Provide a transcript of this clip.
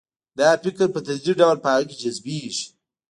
دا فکر په تدریجي ډول په هغه کې جذبیږي